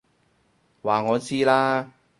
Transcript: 話我知啦！